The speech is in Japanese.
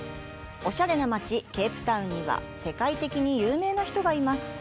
オシャレな街、ケープタウンには世界的に有名な人がいます。